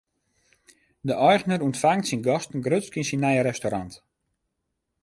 De eigener ûntfangt syn gasten grutsk yn syn nije restaurant.